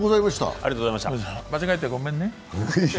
間違えてごめんね。